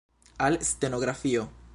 Al stenografio!